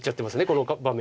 この場面。